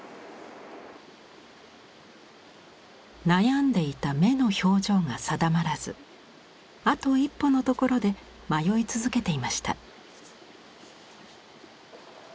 悩んでいた目の表情が定まらずあと一歩のところで迷い続けていました。